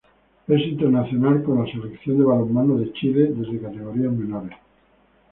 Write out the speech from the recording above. Es internacional con la Selección de balonmano de Chile desde categorías menores.